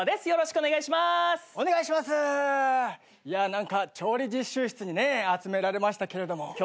いや何か調理実習室にね集められましたけれども。